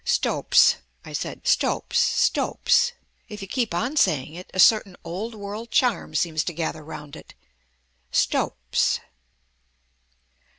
"Stopes," I said. "Stopes, Stopes. If you keep on saying it, a certain old world charm seems to gather round it. Stopes."